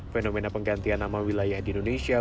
fenomena penggantian nama wilayah di indonesia